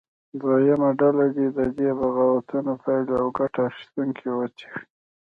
دویمه ډله دې د دې بغاوتونو پایلې او ګټه اخیستونکي وڅېړي.